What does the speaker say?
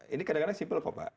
ini kadang kadang simpel kok mbak